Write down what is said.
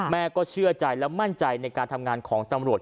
แม่ก็เชื่อใจและมั่นใจในการทำงานของตำรวจ